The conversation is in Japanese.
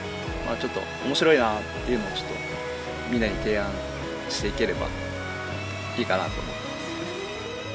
面白いなっていうのをちょっとみんなに提案していければいいかなと思ってます。